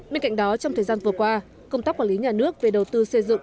bên cạnh đó trong thời gian vừa qua công tác quản lý nhà nước về đầu tư xây dựng